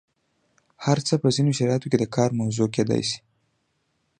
هر څه په ځینو شرایطو کې د کار موضوع کیدای شي.